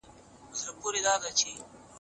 د زړه ناروغي د خېټې د غوړو سره تړاو لري.